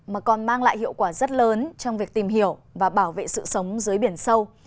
mà còn mang lại hiệu quả rất lớn trong việc tìm hiểu và bảo vệ sự sống dưới biển sâu